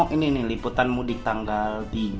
ini nih liputan mudik tanggal